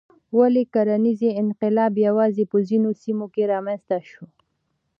ولې کرنیز انقلاب یوازې په ځینو سیمو رامنځته شو؟